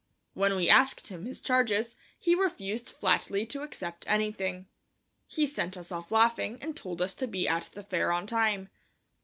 When we asked him his charges he refused flatly to accept anything. He sent us off laughing and told us to be at the fair on time.